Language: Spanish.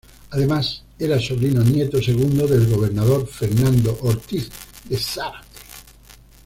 Además era sobrino nieto segundo del gobernador Fernando Ortiz de Zárate.